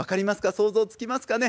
想像つきますかね？